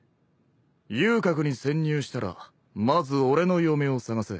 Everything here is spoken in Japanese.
遊郭に潜入したらまず俺の嫁を捜せ。